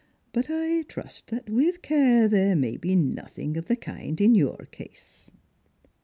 But I trust that with care there may bo nothing of the kind in. your case."